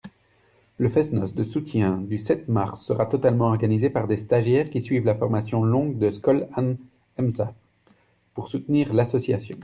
Le fest-noz de soutien du sept mars sera totalement organisé par des stagiaires qui suivent la formation longue de Skol an Emsav, pour soutenir l’association.